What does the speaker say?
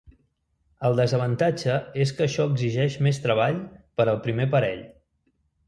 El desavantatge és que això exigeix més treball per al primer parell.